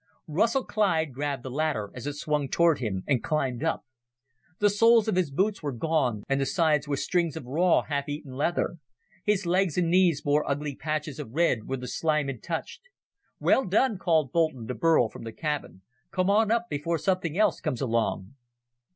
Russell Clyde grabbed the ladder as it swung toward him, and climbed up. The soles of his boots were gone and the sides were strings of raw, half eaten leather. His legs and knees bore ugly patches of red where the slime had touched. "Well done!" called Boulton to Burl from the cabin. "Come on up before something else comes along!"